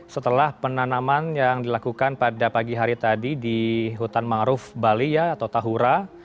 setelah penanaman yang dilakukan pada pagi hari tadi di hutan mangrove bali atau tahura